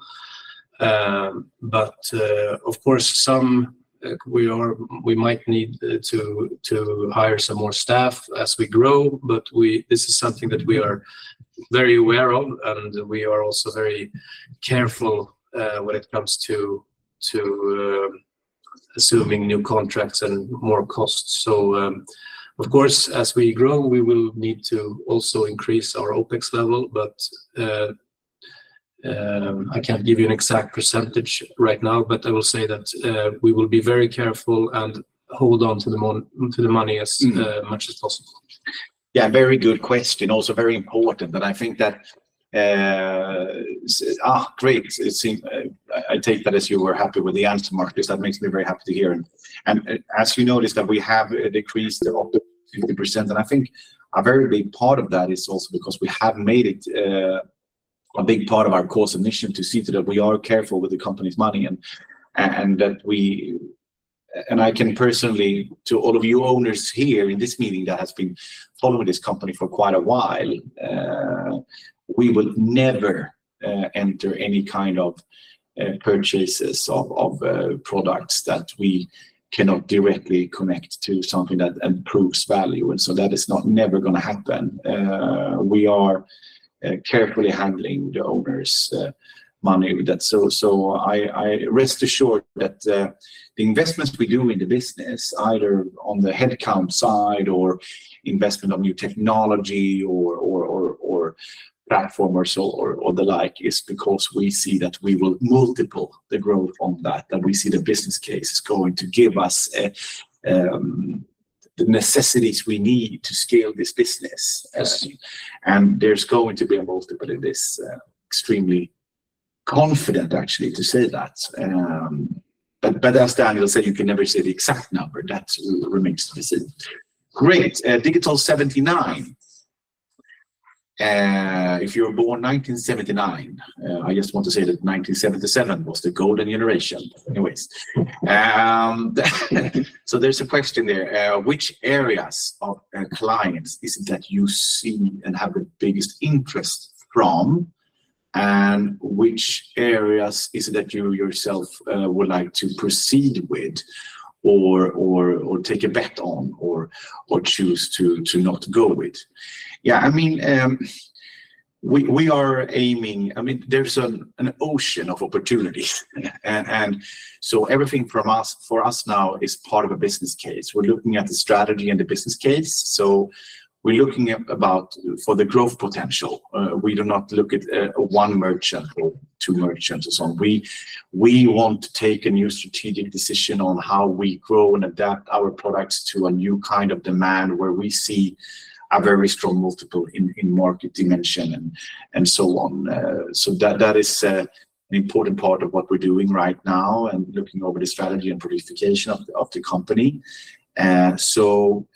But, of course, we might need to hire some more staff as we grow, but this is something that we are very aware of, and we are also very careful when it comes to assuming new contracts and more costs. So, of course, as we grow, we will need to also increase our OpEx level, but I can't give you an exact percentage right now, but I will say that we will be very careful and hold on to the money as much as possible.
Yeah, very good question, also very important, and I think that... great, it seem, I take that as you were happy with the answer, Marcus. That makes me very happy to hear. And as you noticed, that we have decreased the OpEx 50%, and I think a very big part of that is also because we have made it a big part of our course and mission to see to that we are careful with the company's money, and that we... And I can personally, to all of you owners here in this meeting that has been following this company for quite a while, we will never enter any kind of purchases of products that we cannot directly connect to something that improves value, and so that is not never gonna happen. We are carefully handling the owners' money with that. So I rest assured that the investments we do in the business, either on the headcount side or investment on new technology or platform or so or the like, is because we see that we will multiple the growth on that, that we see the business case is going to give us the necessities we need to scale this business.
Yes.
And there's going to be a multiple in this. Extremely confident, actually, to say that. But, but as Daniel said, you can never say the exact number. That will remain to be seen. Great, Digital 79, if you were born 1979, I just want to say that 1977 was the golden generation. Anyways, so there's a question there: "Which areas of clients is it that you see and have the biggest interest from, and which areas is it that you yourself would like to proceed with, or, or, or take a bet on, or, or choose to, to not go with?" Yeah, I mean, we, we are aiming. I mean, there's an, an ocean of opportunity, and, and so everything from us- for us now is part of a business case. We're looking at the strategy and the business case, so we're looking at about for the growth potential. We do not look at one merchant or two merchants and so on. We want to take a new strategic decision on how we grow and adapt our products to a new kind of demand, where we see a very strong multiple in market dimension and so on. So that is an important part of what we're doing right now and looking over the strategy and productification of the company. So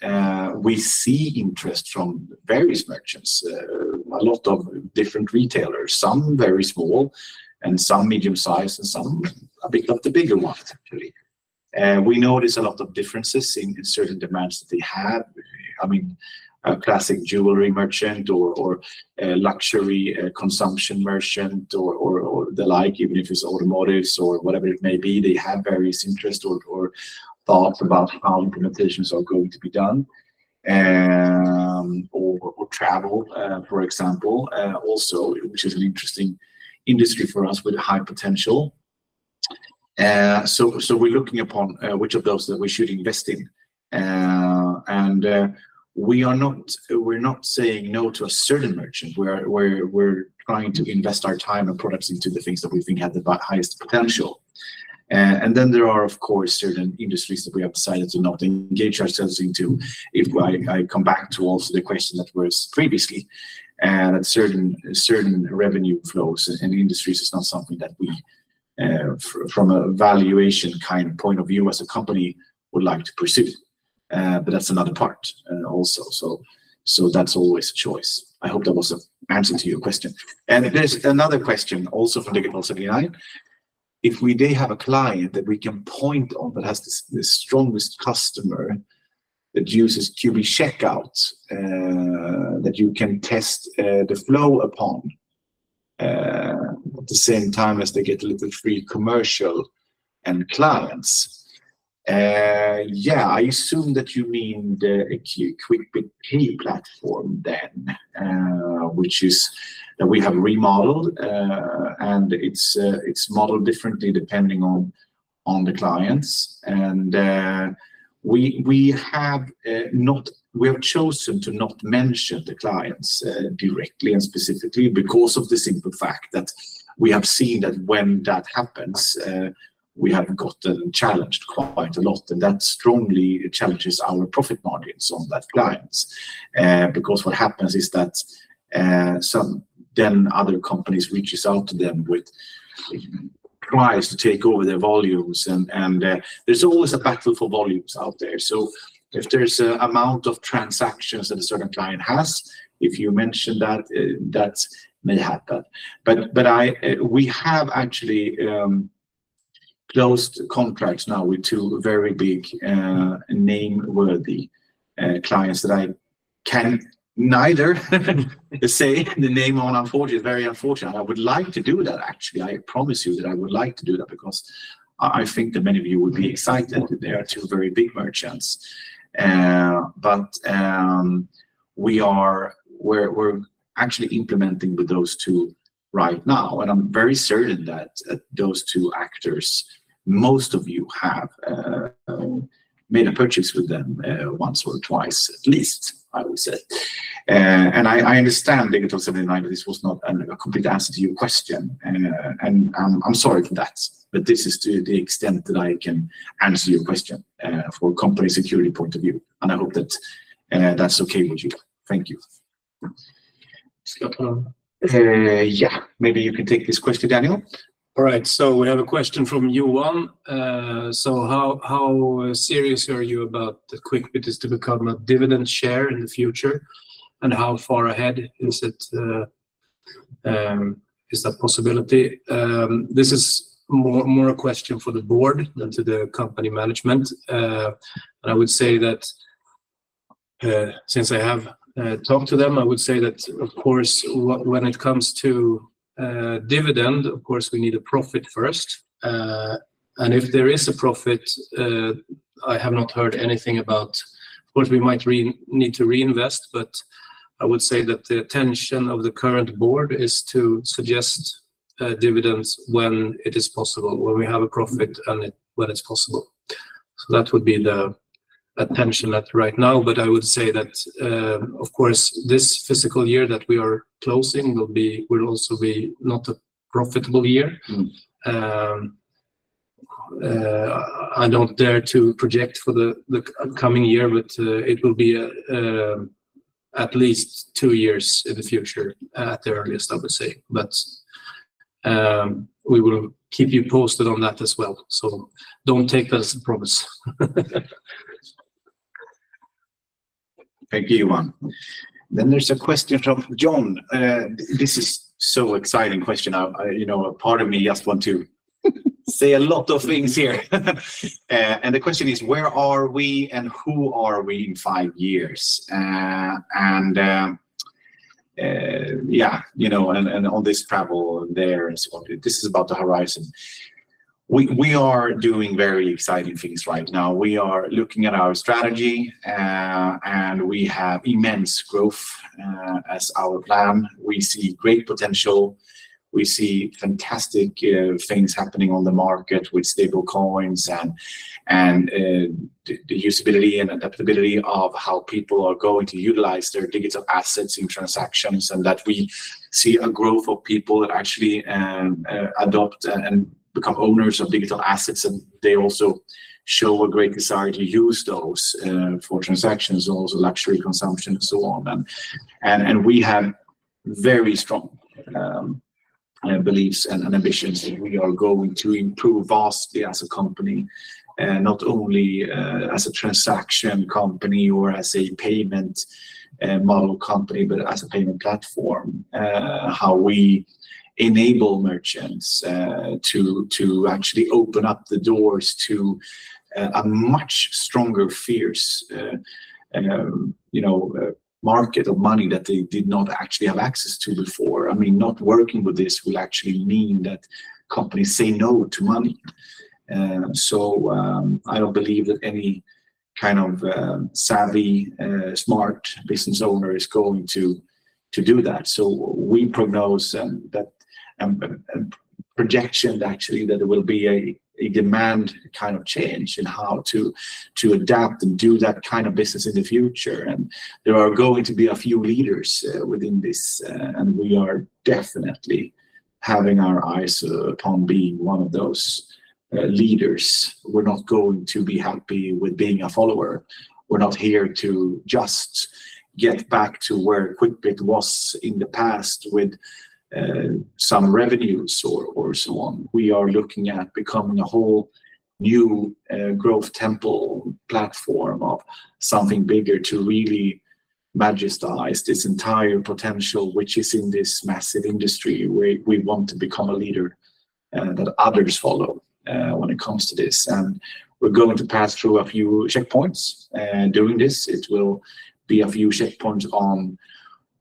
we see interest from various merchants, a lot of different retailers, some very small, and some medium-sized, and some a bit of the bigger ones, actually. We notice a lot of differences in certain demands that they have. I mean, a classic jewelry merchant or a luxury consumption merchant or the like, even if it's automotives or whatever it may be, they have various interest or thoughts about how implementations are going to be done. Or travel, for example, also, which is an interesting industry for us with a high potential. So we're looking upon which of those that we should invest in. And we are not—we're not saying no to a certain merchant. We're trying to invest our time and products into the things that we think have the highest potential. And then there are, of course, certain industries that we have decided to not engage ourselves into. If I come back to also the question that was previously, that certain revenue flows and industries is not something that we, from a valuation kind of point of view as a company, would like to pursue. But that's another part, also, so that's always a choice. I hope that was an answer to your question. And there's another question, also from Digital 79: "If we did have a client that we can point on that has this, this strongest customer that uses Quickbit Checkout, that you can test the flow upon, at the same time as they get a little free commercial and clients?" Yeah, I assume that you mean the Quickbit Pay platform then, which is that we have remodeled, and it's modeled differently depending on the clients. We have chosen to not mention the clients directly and specifically because of the simple fact that we have seen that when that happens, we have gotten challenged quite a lot, and that strongly challenges our profit margins on that clients. Because what happens is that other companies reaches out to them with- tries to take over their volumes, and there's always a battle for volumes out there. So if there's a amount of transactions that a certain client has, if you mention that, that's may happen. But we have actually closed contracts now with two very big name-worthy clients that I can neither say the name on, unfortunately. It's very unfortunate. I would like to do that, actually. I promise you that I would like to do that because I think that many of you would be excited. They are two very big merchants. But we are... We're actually implementing with those two right now, and I'm very certain that those two actors, most of you have made a purchase with them once or twice, at least, I would say. And I understand, Ingrid, also, that this was not a complete answer to your question, and I'm sorry for that, but this is to the extent that I can answer your question for a company security point of view, and I hope that that's okay with you. Thank you.
S? Or Scott?
Yeah, maybe you can take this question, Daniel.
All right, so we have a question from Yuan. So, "How serious are you about the Quickbit is to become a dividend share in the future, and how far ahead is it, is that possibility?" This is more a question for the board than to the company management. But I would say that, since I have talked to them, I would say that, of course, when it comes to dividend, of course, we need a profit first. And if there is a profit, I have not heard anything about... Of course, we might need to reinvest, but I would say that the attention of the current board is to suggest dividends when it is possible, when we have a profit and when it's possible. So that would be the attention that right now. But I would say that, of course, this fiscal year that we are closing will be, will also be not a profitable year.
Mm.
I don't dare to project for the upcoming year, but it will be at least two years in the future, at the earliest, I would say. But we will keep you posted on that as well, so don't take that as a promise.
Thank you, Yuan. Then there's a question from John. This is so exciting question. I, you know, a part of me just want to say a lot of things here. And the question is, "Where are we, and who are we in five years?" You know, and all this travel there and so on. This is about the horizon. We are doing very exciting things right now. We are looking at our strategy, and we have immense growth as our plan. We see great potential. We see fantastic things happening on the market with stablecoins and the usability and adaptability of how people are going to utilize their digital assets in transactions, and that we see a growth of people that actually adopt and become owners of digital assets, and they also show a great desire to use those for transactions, also luxury consumption and so on. And we have very strong beliefs and ambitions that we are going to improve vastly as a company, not only as a transaction company or as a payment model company, but as a payment platform. How we enable merchants to actually open up the doors to a much stronger, fierce, you know, market or money that they did not actually have access to before. I mean, not working with this will actually mean that companies say no to money. So, I don't believe that any kind of savvy smart business owner is going to do that. So we prognose a projection actually, that there will be a demand kind of change in how to adapt and do that kind of business in the future. And there are going to be a few leaders within this, and we are definitely having our eyes upon being one of those leaders. We're not going to be happy with being a follower. We're not here to just get back to where Quickbit was in the past with some revenues or so on. We are looking at becoming a whole new growth template platform of something bigger to really monetize this entire potential, which is in this massive industry, where we want to become a leader that others follow when it comes to this. And we're going to pass through a few checkpoints. During this, it will be a few checkpoints on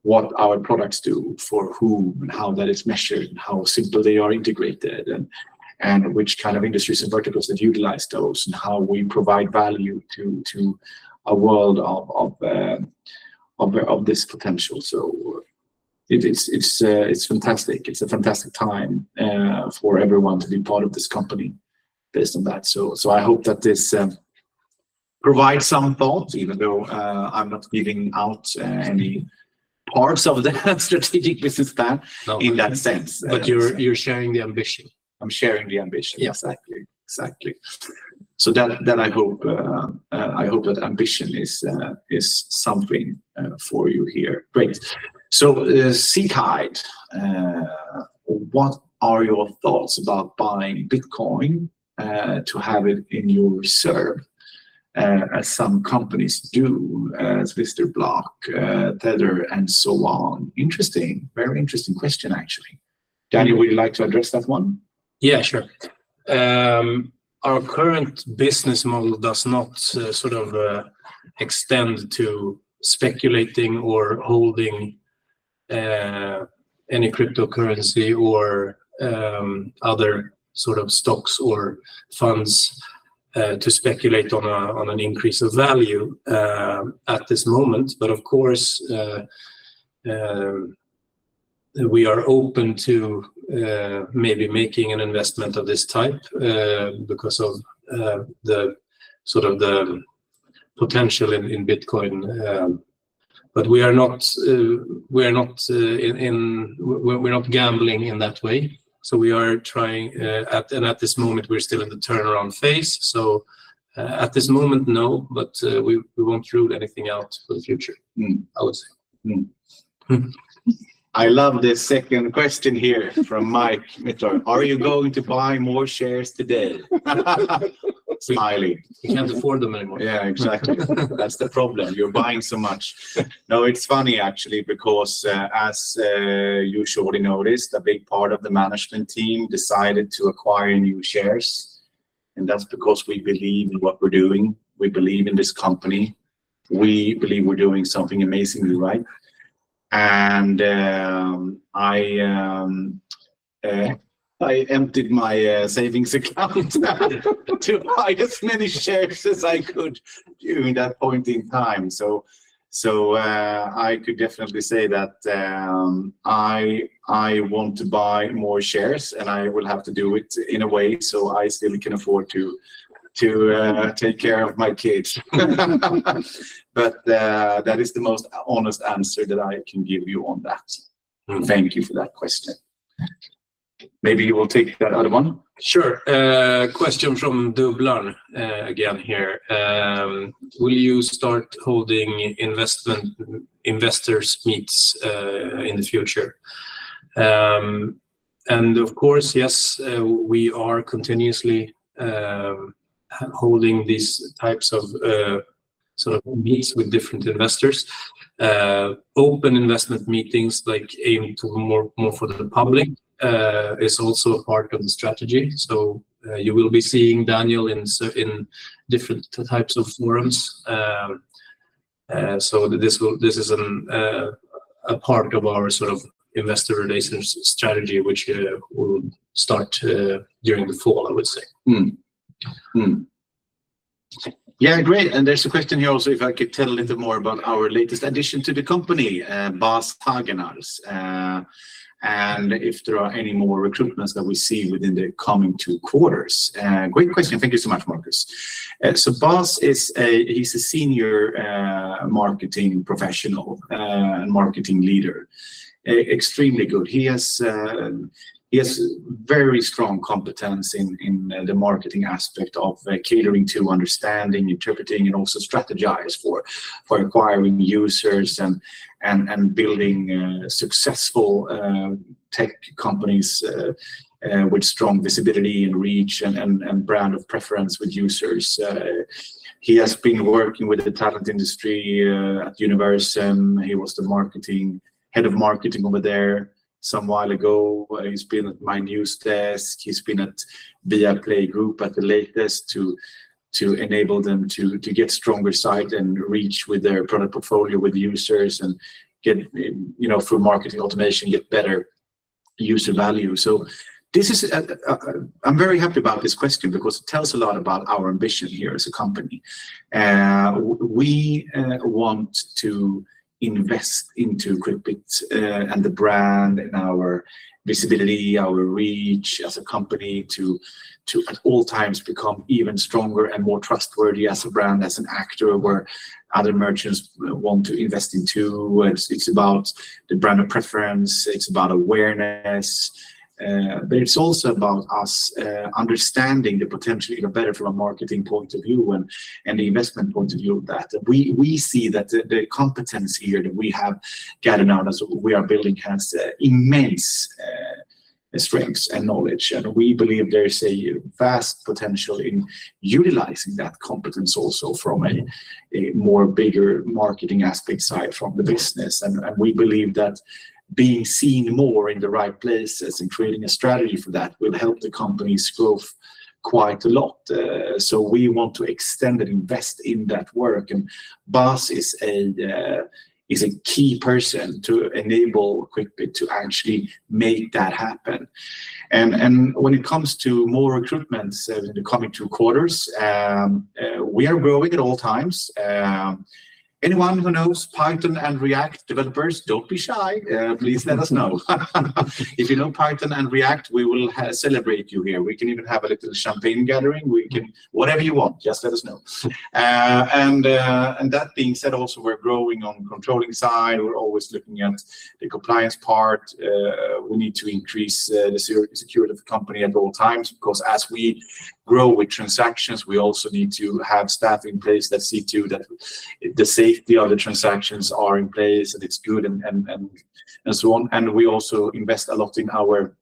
what our products do, for whom, and how that is measured, and how simple they are integrated, and which kind of industries and verticals that utilize those, and how we provide value to a world of this potential. So it is, it's fantastic. It's a fantastic time for everyone to be part of this company based on that. So, I hope that this provides some thought, even though I'm not giving out any parts of the strategic business plan-
No...
in that sense.
But you're sharing the ambition.
I'm sharing the ambition.
Yeah.
Exactly. Exactly. So that, then I hope, I hope that ambition is, is something for you here. Great. So, Seek Hide, "What are your thoughts about buying Bitcoin to have it in your reserve, as some companies do, as Block, Tether, and so on?" Interesting. Very interesting question, actually. Daniel, would you like to address that one?
Yeah, sure. Our current business model does not sort of extend to speculating or holding any cryptocurrency or other sort of stocks or funds to speculate on an increase of value at this moment. But of course, we are open to maybe making an investment of this type because of the sort of potential in Bitcoin. But we are not in... We're not gambling in that way. So we are trying and at this moment, we're still in the turnaround phase. So at this moment, no, but we won't rule anything out for the future-
Mm....
I would say.
Mm. I love the second question here from Mike Mitor, "Are you going to buy more shares today?" Smiley.
He can't afford them anymore.
Yeah, exactly. That's the problem, you're buying so much. No, it's funny, actually, because as you surely noticed, a big part of the management team decided to acquire new shares, and that's because we believe in what we're doing. We believe in this company. We believe we're doing something amazingly right. And I emptied my savings account to buy as many shares as I could during that point in time. So I could definitely say that I want to buy more shares, and I will have to do it in a way, so I still can afford to take care of my kids. But that is the most honest answer that I can give you on that.
Mm.
Thank you for that question. Maybe you will take that other one?
Sure. Question from Dubblan, again, here. "Will you start holding investment, investors' meets, in the future?" And of course, yes, we are continuously holding these types of sort of meets with different investors. Open investment meetings, like aiming to more for the public, is also a part of the strategy. So, you will be seeing Daniel in different types of forums. So this is a part of our sort of investor relations strategy, which will start during the fall, I would say.
There's a question here also if I could tell a little more about our latest addition to the company, Bas Tognér, and if there are any more recruitments that we see within the coming two quarters. Great question. Thank you so much, Marcus. So Bas is a, he's a senior marketing professional and marketing leader. Extremely good. He has very strong competence in the marketing aspect of catering to understanding, interpreting, and also strategize for acquiring users and building successful tech companies with strong visibility and reach and brand of preference with users. He has been working with the talent industry at Universum. He was the Head of Marketing over there some while ago. He's been at Mynewsdesk. He's been at Viaplay Group at the latest to enable them to get stronger sight and reach with their product portfolio with users and get, you know, through marketing automation, get better user value. So this is, I'm very happy about this question because it tells a lot about our ambition here as a company. We want to invest into Quickbit and the brand and our visibility, our reach as a company to, at all times, become even stronger and more trustworthy as a brand, as an actor, where other merchants want to invest in, too. It's about the brand of preference, it's about awareness, but it's also about us understanding the potential even better from a marketing point of view and the investment point of view of that. We see that the competence here that we have gathered on as we are building has immense strengths and knowledge, and we believe there is a vast potential in utilizing that competence also from a more bigger marketing aspect side from the business. And we believe that being seen more in the right places and creating a strategy for that will help the company's growth quite a lot. So we want to extend and invest in that work, and Bas is a key person to enable Quickbit to actually make that happen. And when it comes to more recruitments in the coming 2 quarters, we are growing at all times. Anyone who knows Python and React developers, don't be shy. Please let us know. If you know Python and React, we will celebrate you here. We can even have a little champagne gathering. We can... Whatever you want, just let us know. And that being said, also, we're growing on controlling side. We're always looking at the compliance part. We need to increase the security of the company at all times, because as we grow with transactions, we also need to have staff in place that see to that the safety of the transactions are in place and it's good, and so on. And we also invest a lot in our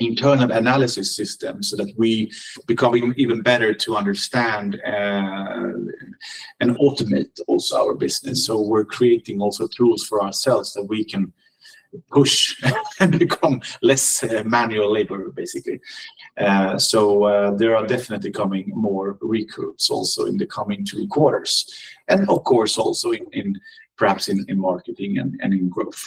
internal analysis system, so that we become even better to understand and automate also our business. So we're creating also tools for ourselves that we can push and become less manual labor, basically. So, there are definitely coming more recruits also in the coming three quarters. And of course, also in perhaps in marketing and in growth,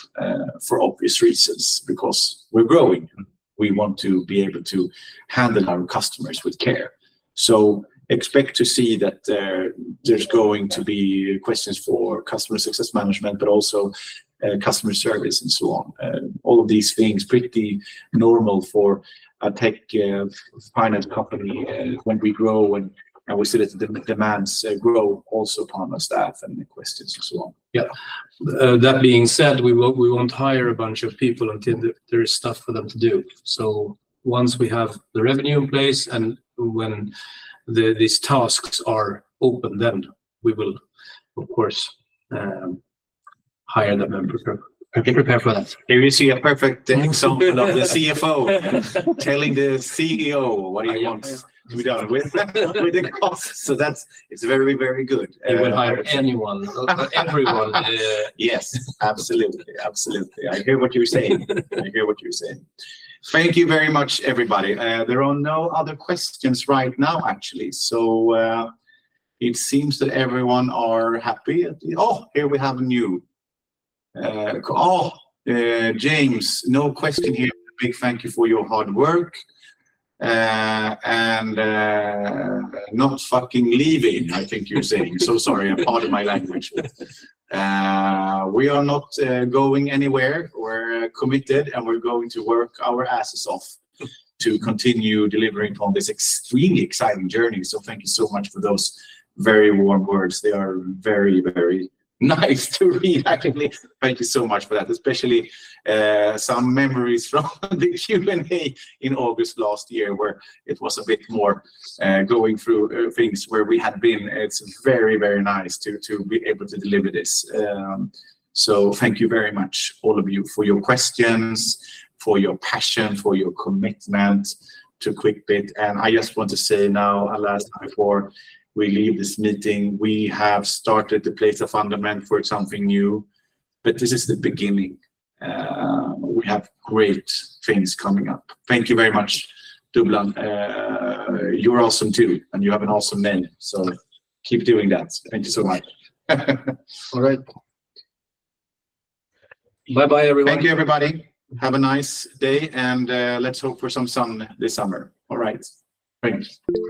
for obvious reasons, because we're growing. We want to be able to handle our customers with care. So expect to see that there, there's going to be questions for customer success management, but also, customer service and so on. All of these things, pretty normal for a tech finance company, when we grow and we see that the demands grow also upon our staff and the questions and so on.
Yeah. That being said, we won't hire a bunch of people until there is stuff for them to do. So once we have the revenue in place and when these tasks are open, then we will, of course, hire them and be prepared for that.
Here we see a perfect example of the CFO telling the CEO what he wants to be done with, with the costs. So that's it. It's very, very good.
He will hire anyone. Everyone,
Yes, absolutely. Absolutely. I hear what you're saying. I hear what you're saying. Thank you very much, everybody. There are no other questions right now, actually. So, it seems that everyone are happy. Oh, here we have a new... James, "No question here. A big thank you for your hard work and not fucking leaving," I think you're saying. So sorry, pardon my language. We are not going anywhere. We're committed, and we're going to work our asses off to continue delivering on this extremely exciting journey. So thank you so much for those very warm words. They are very, very nice to read, actually. Thank you so much for that, especially some memories from the Q&A in August last year, where it was a bit more going through things where we had been. It's very, very nice to be able to deliver this. So thank you very much, all of you, for your questions, for your passion, for your commitment to Quickbit. I just want to say now, last, before we leave this meeting, we have started to place a foundation for something new, but this is the beginning. We have great things coming up. Thank you very much, Dubblan. You are awesome too, and you have an awesome team, so keep doing that. Thank you so much.
All right. Bye-bye, everyone.
Thank you, everybody. Have a nice day, and let's hope for some sun this summer. All right, thanks.